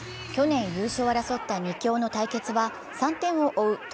去年優勝を争った２強の対決は３点を追う